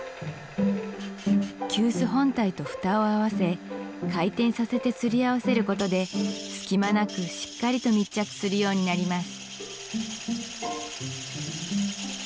急須本体と蓋を合わせ回転させてすり合わせることで隙間なくしっかりと密着するようになります